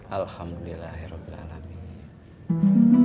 alhamdulillah ya rabbil alamin